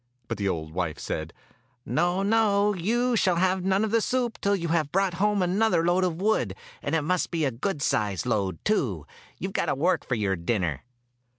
But the old wife said: ''No, no, you shall have none of the soup till you have brought home another load of wood; and it must be a good sized load, too. You have got to work for your dinner."